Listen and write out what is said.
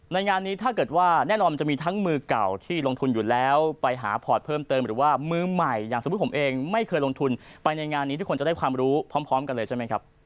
งานนี้ถ้าเกิดว่าแน่นอนมันจะมีทั้งมือเก่าที่ลงทุนอยู่แล้วไปหาพอร์ตเพิ่มเติมหรือว่ามือใหม่อย่างสมมุติผมเองไม่เคยลงทุนไปในงานนี้ทุกคนจะได้ความรู้พร้อมกันเลยใช่ไหมครับ